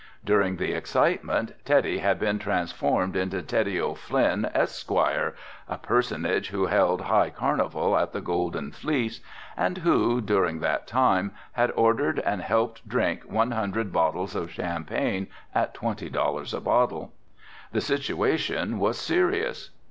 During the excitement Teddy had been transformed into Teddy O'Flynn, Esq., a personage who held high carnival at the Golden Fleece and who, during that time, had ordered and helped drink one hundred bottles of champagne at twenty dollars a bottle. The situation was serious.